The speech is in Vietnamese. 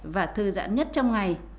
và thư giãn nhất trong ngày